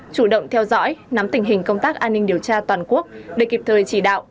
chủ động theo dõi nắm tình hình công tác an ninh điều tra toàn quốc để kịp thời chỉ đạo